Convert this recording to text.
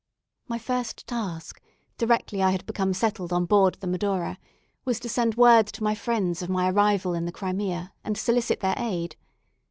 My first task, directly I had become settled on board the "Medora," was to send word to my friends of my arrival in the Crimea, and solicit their aid.